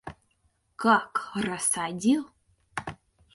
Как рассадил!